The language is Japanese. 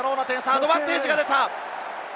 アドバンテージが出た。